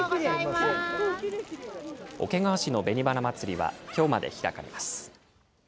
桶川市のべに花まつりは、きょうまで開かれます。